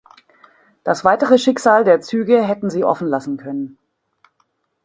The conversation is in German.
Das weitere Schicksal der Züge hätten sie offen lassen können.